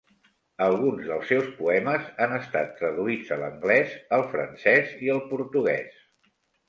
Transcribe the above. Alguns dels seus poemes han estat traduïts a l'anglès, el francès i el portuguès.